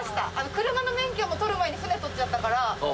車の免許を取る前に船取っちゃったから。